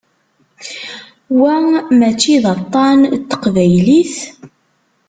Wa mačči d aṭan n teqbaylit?